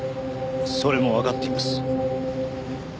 それもわかっています。